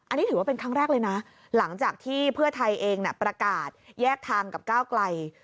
อันนี้ถือว่าเป็นครั้งแรกเลยนะหลังจากที่เพื่อไทยเองประกาศแยกทางกับก้าวไกล